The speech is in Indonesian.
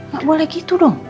gak boleh gitu dong